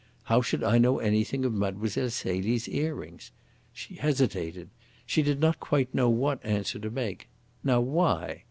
How should I know anything of Mlle. Celie's earrings? She hesitated. She did not quite know what answer to make. Now, why?